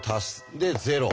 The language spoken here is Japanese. で０。